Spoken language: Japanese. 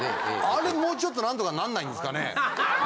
あれもうちょっと何とかなんないんですかね？